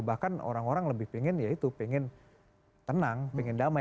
bahkan orang orang lebih pengen ya itu pengen tenang pengen damai